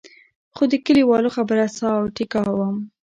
خو د کلیوالو خبره ساه او ټیکا وم.